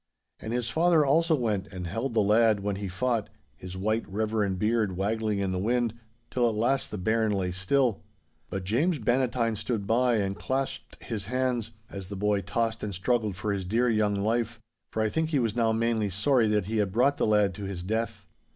And his father also went and held the lad when he fought, his white, reverend beard waggling in the wind, till at last the bairn lay still. But James Bannatyne stood by and clasped his hands, as the boy tossed and struggled for his dear young life, for I think he was now mainly sorry that he had brought the lad to his death.